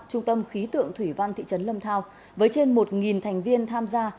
trung tâm khí tượng thủy văn thị trấn lâm thao với trên một thành viên tham gia